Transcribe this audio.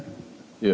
iya mas silahkan